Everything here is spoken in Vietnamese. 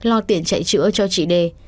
lo tiện chạy chữa cho chị đê